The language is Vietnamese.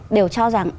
đều cho rằng